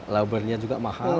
laburnya juga mahal